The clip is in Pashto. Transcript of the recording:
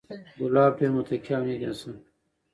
کلاب ډېر متقي او نېک انسان و،